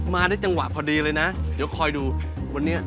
มาได้จังหวะพอดีเลยนะเดี๋ยวคอยดูวันนี้